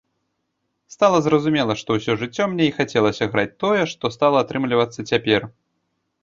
Стала зразумела, што ўсё жыццё мне і хацелася граць тое, што стала атрымлівацца цяпер.